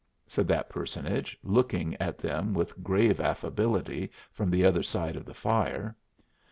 said that personage, looking at them with grave affability from the other side of the fire.